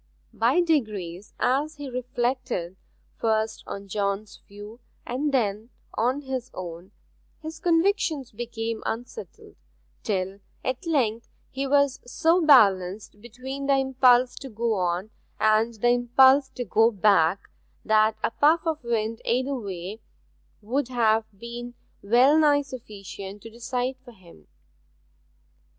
By degrees, as he reflected, first on John's view and then on his own, his convictions became unsettled; till at length he was so balanced between the impulse to go on and the impulse to go back, that a puff of wind either way would have been well nigh sufficient to decide for him.